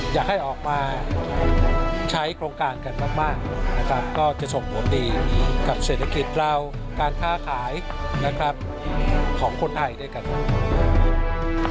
อยากให้ออกมาใช้โครงการกันมากนะครับก็จะส่งผลดีกับเศรษฐกิจเราการค้าขายนะครับของคนไทยด้วยกัน